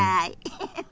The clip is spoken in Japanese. フフフ。